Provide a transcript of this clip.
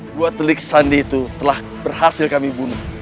dua telik sandi itu telah berhasil kami bunuh